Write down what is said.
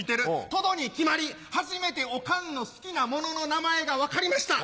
トドに決まり初めてオカンの好きなものの名前が分かりました。